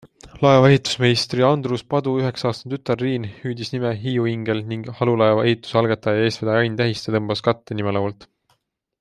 Laeva ehitusmeistri Andrus Padu üheksaaastane tütar Riin hüüdis nime HiiuIngel ning halulaeva ehituse algataja ja eestvedaja Ain Tähiste tõmbas katte nimelaualt.